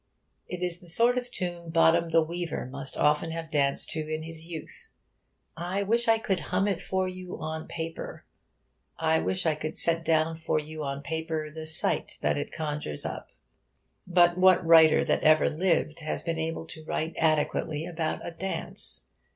It is the sort of tune Bottom the Weaver must often have danced to in his youth. I wish I could hum it for you on paper. I wish I could set down for you on paper the sight that it conjures up. But what writer that ever lived has been able to write adequately about a dance?